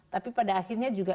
tapi pada akhirnya juga